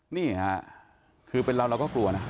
นี่ค่ะคือเป็นเราเราก็กลัวนะ